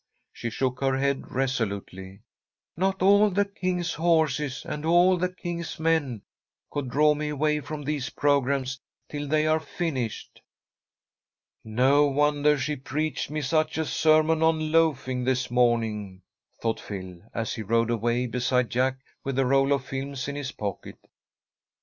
She shook her head resolutely. "'Not all the king's horses and all the king's men' could draw me away from these programmes till they are finished." "No wonder she preached me such a sermon on loafing, this morning," thought Phil, as he rode away beside Jack, with the roll of films in his pocket.